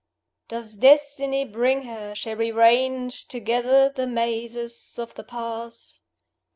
"Does Destiny bring her? Shall we range together The mazes of the past?